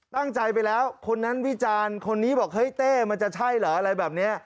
ไปแล้วคนนั้นวิจารณ์คนนี้บอกเฮ้ยเต้มันจะใช่เหรออะไรแบบนี้